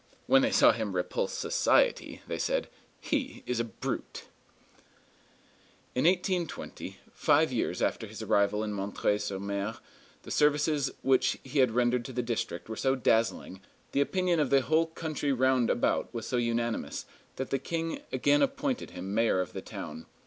When they saw him repulse society, they said, "He is a brute." In 1820, five years after his arrival in M. sur M., the services which he had rendered to the district were so dazzling, the opinion of the whole country round about was so unanimous, that the King again appointed him mayor of the town.